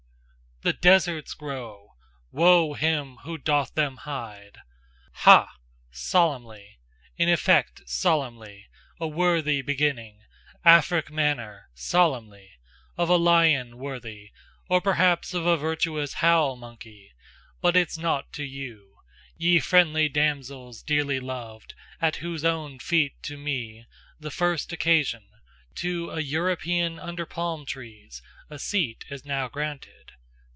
THE DESERTS GROW: WOE HIM WHO DOTH THEM HIDE! Ha! Solemnly! In effect solemnly! A worthy beginning! Afric manner, solemnly! Of a lion worthy, Or perhaps of a virtuous howl monkey But it's naught to you, Ye friendly damsels dearly loved, At whose own feet to me, The first occasion, To a European under palm trees, A seat is now granted.